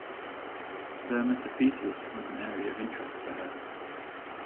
Spermatophytes was an area of interest for her.